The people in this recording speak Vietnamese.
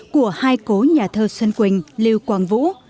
của hai cố nhà thơ xuân quỳnh lưu quang vũ